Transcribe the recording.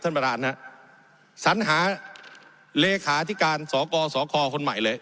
ท่านประธานฮะสัญหาเลขาธิการสกสคคนใหม่เลย